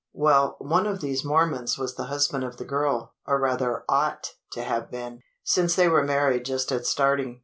"Well one of these Mormons was the husband of the girl, or rather ought to have been since they were married just at starting.